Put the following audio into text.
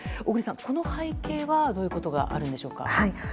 小栗さん、この背景はどういうことがあるんでしょうか。